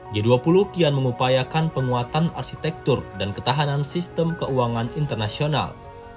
g dua puluh kian mengupayakan penguatan arsitektur dan ketahanan sistem keuangan internasional